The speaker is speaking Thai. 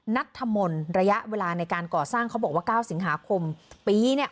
นัทธมนต์ระยะเวลาในการก่อสร้างเขาบอกว่า๙สิงหาคมปีเนี่ย